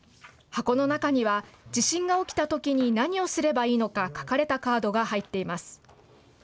箱の中には地震が起きたときに何をすればいいのか書かれたカードが入っています。